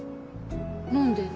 何で？